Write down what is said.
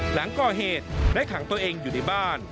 หลังก่อเหตุได้ขังตัวเองอยู่ในบ้าน